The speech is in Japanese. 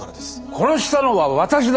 殺したのは私だ！